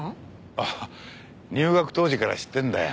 あっ入学当時から知ってんだよ。